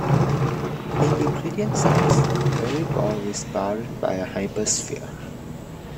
In Euclidean -space, every ball is bounded by a hypersphere.